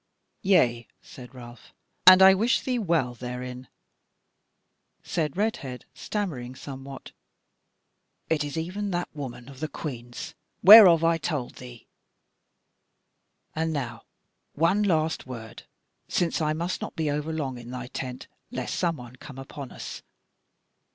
"Yea," said Ralph, "and I wish thee well therein." Said Redhead, stammering somewhat; "It is even that woman of the Queen's whereof I told thee. And now one last word, since I must not be over long in thy tent, lest some one come upon us.